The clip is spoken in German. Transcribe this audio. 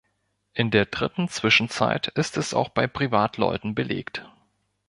In der Dritten Zwischenzeit ist es auch bei Privatleuten belegt.